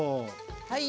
はい。